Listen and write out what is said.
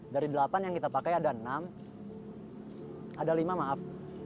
dari delapan yang kita pakai ada enam ada lima maaf